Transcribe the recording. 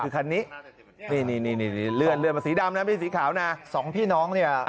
คันนี้เลื่อนมาสีดำสีขาวนะสองพี่น้องเนี่ย